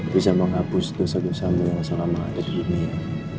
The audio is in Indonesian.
bisa menghapus dosa dosamu yang selama ada di dunia